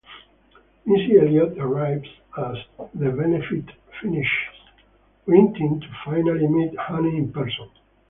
Missy Elliott arrives as the benefit finishes, wanting to finally meet Honey in person.